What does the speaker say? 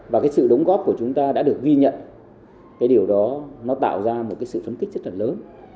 và cái sự đóng góp của chúng ta đã được ghi nhận cái điều đó nó tạo ra một cái sự phấn kích rất là lớn